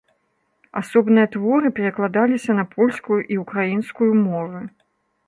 Асобныя творы перакладаліся на польскую і ўкраінскую мовы.